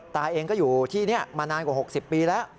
ตาเองก็อยู่ที่นี้มานานกว่า๖๐ปีแล้ว